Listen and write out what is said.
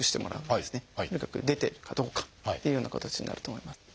とにかく出てるかどうかっていうような形になると思います。